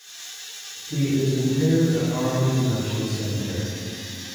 He is interred at Arlington National Cemetery.